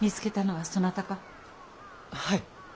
はい。